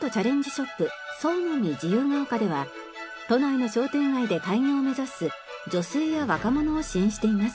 ショップ創の実自由が丘では都内の商店街で開業を目指す女性や若者を支援しています。